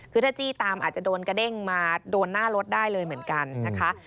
คือถ้าจี้ตามอาจจะโดนกระเด้งมาโดนหน้ารถได้เลยเหมือนกันนะคะ